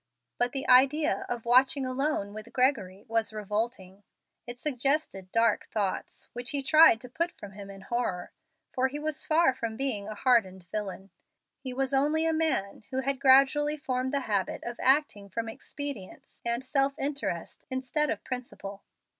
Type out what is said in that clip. But the idea of watching alone with Gregory was revolting. It suggested dark thoughts which he tried to put from him in horror, for he was far from being a hardened villain. He was only a man who had gradually formed the habit of acting from expedience and self interest, instead of principle.